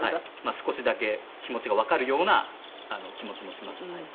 少しだけ気持ちがわかるような気持ちもします。